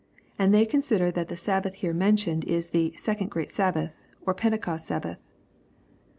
And they consider that the Sabbath here mentioned is the ^^ second great Sabbath" or Pentecost Sabbath.